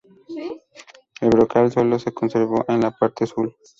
El brocal solo se conservó en la parte sur.